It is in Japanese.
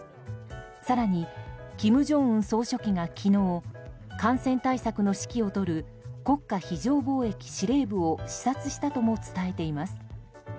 更に、金正恩総書記が昨日感染対策の指揮を執る国家非常防疫司令部を視察したとも伝えています。